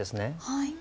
はい。